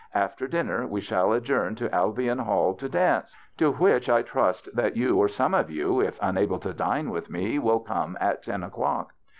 After dinner we shall adjourn to Al bion Hall to dance, to which I trust that you or some of you, if unable to dine with me, will come at ten o'clock.